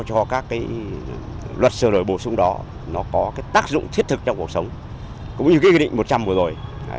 cho các cái luật sửa đổi bổ sung đó nó có cái tác dụng thiết thực trong cuộc sống cũng như cái quy định một trăm linh vừa rồi